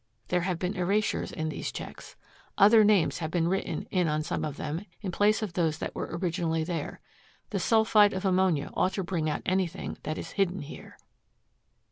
There have been erasures in these checks. Other names have been written in on some of them in place of those that were originally there. The sulphide of ammonia ought to bring out anything that is hidden here."